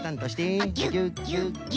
ギュッギュッギュ。